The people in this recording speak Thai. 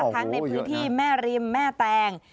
ทั้งในพื้นที่แม่ริมแม่แตง